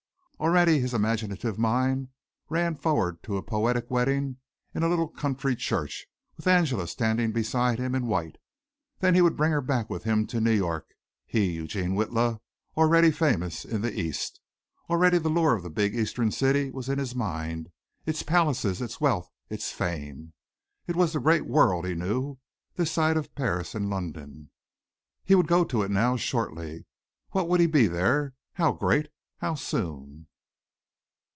Already his imaginative mind ran forward to a poetic wedding in a little country church, with Angela standing beside him in white. Then he would bring her back with him to New York he, Eugene Witla, already famous in the East. Already the lure of the big eastern city was in his mind, its palaces, its wealth, its fame. It was the great world he knew, this side of Paris and London. He would go to it now, shortly. What would he be there? How great? How soon?